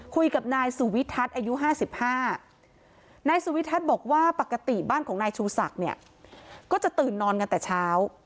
คุยกับนายสุวิทัศน์อายุ๕๕นายสุวิทัศน์บอกว่าปกติบ้านของนายชูศักดิ์เนี่ยก็จะตื่นนอนกันแต่เช้า